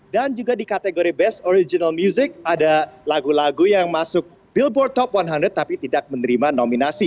dan juga di kategori best original music ada lagu lagu yang masuk billboard top seratus tapi tidak menerima nominasi